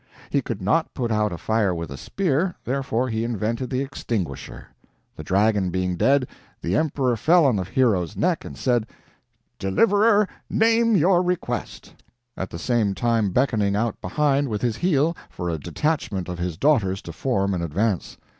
He could not put out a fire with a spear, therefore he invented the extinguisher. The dragon being dead, the emperor fell on the hero's neck and said: "Deliverer, name your request," at the same time beckoning out behind with his heel for a detachment of his daughters to form and advance.